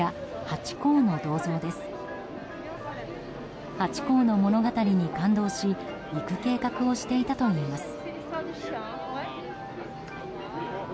ハチ公の物語に感動し行く計画をしていたといいます。